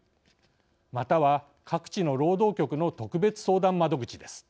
または各地の労働局の特別相談窓口です。